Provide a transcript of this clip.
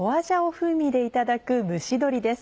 風味でいただく蒸し鶏です。